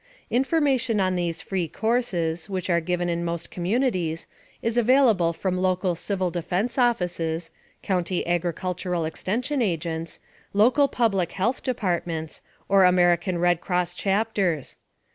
Information on these free courses, which are given in most communities, is available from local Civil Defense Offices, County Agricultural Extension Agents, local public health departments, or American Red Cross chapters.